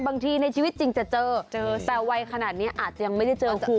บางทีในชีวิตจริงจะเจอแต่วัยขนาดนี้อาจจะยังไม่ได้เจอคุณ